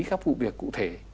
các vụ việc cụ thể